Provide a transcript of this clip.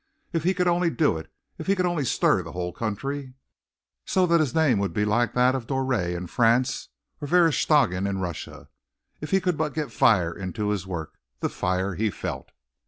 If he could only do it! If he could only stir the whole country, so that his name would be like that of Doré in France or Verestchagin in Russia. If he could but get fire into his work, the fire he felt!